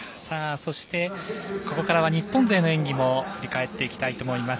そして、ここからは日本勢の演技も振り返っていきたいと思います。